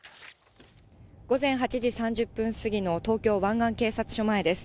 午前８時３０分過ぎの東京湾岸警察署前です。